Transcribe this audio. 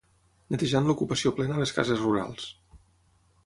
Netejant l'ocupació plena a les cases rurals.